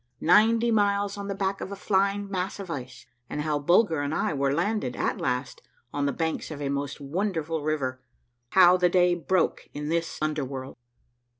— NINETY MILES ON THE BACK OF A FLYING MASS OF ICE, AND HOW BULGER AND I WERE LANDED AT LAST ON THE BANKS OF A MOST WONDERFUL RIVER. — HOW THE DAY BROKE IN THIS UNDER WORLD.